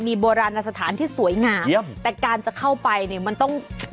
มีโบราณสถานที่สวยงามแต่การจะเข้าไปเนี่ยมันต้อง